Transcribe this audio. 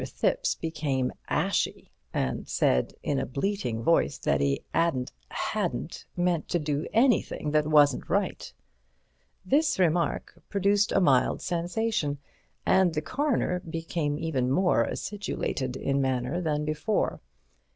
Thipps became ashy, and said in a bleating voice that he 'adn't—hadn't meant to do anything that wasn't right. This remark produced a mild sensation, and the Coroner became even more acidulated in manner than before.